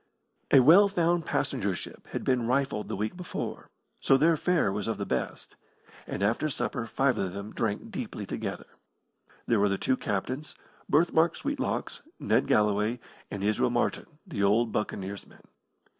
A well found passenger ship had been rifled the week before, so their fare was of the best, and after supper five of them drank deeply together. There were the two captains, Birthmark Sweetlocks, Ned Galloway, and Israel Martin, the old buccaneers man.